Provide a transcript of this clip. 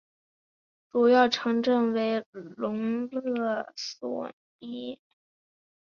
主要城镇为隆勒索涅。